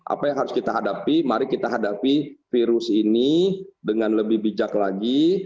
apa yang harus kita hadapi mari kita hadapi virus ini dengan lebih bijak lagi